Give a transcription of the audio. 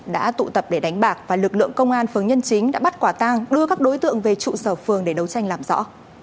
đã tụ tập để đánh bạc và lực lượng công an phường nhân chính đã bắt quả tang đưa các đối tượng về trụ sở phường để đấu tranh làm rõ